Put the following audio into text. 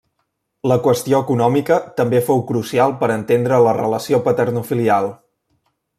La qüestió econòmica també fou crucial per entendre la relació paternofilial.